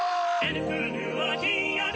Ｎクールはひんやり